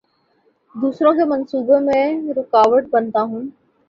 دوسروں کے منصوبوں میں رکاوٹ بنتا ہوں